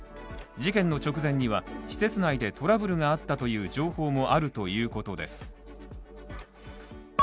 事件の直前には施設内でトラブルがあったという情報もあるということです。